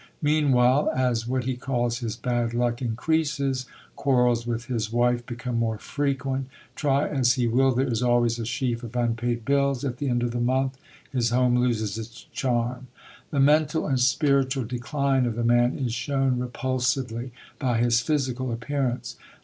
Meanwhile, as what he calls his bad luck increases, quarrels with his wife become more frequent; try as he will, there is always a sheaf of unpaid bills at the end of the month; his home loses its charm. The mental and spiritual decline of the man is shown repulsively by his physical appearance.